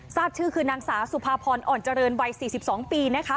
ทราบชื่อคือนางสาวสุภาพรอ่อนเจริญวัย๔๒ปีนะคะ